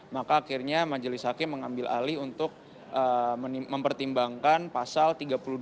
maka akhirnya majelis hakim mengambil alih untuk mempertimbangkan pasal tiga puluh dua